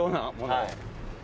はい。